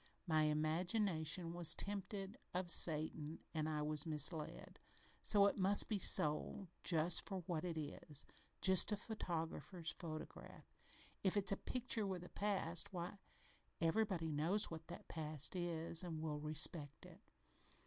My imagination was tempted of Satan an' I was misled. So it must be sold for just what it is just a photographer's photograph. If it's a picture with a past, why, everybody knows what that past is, and will respect it.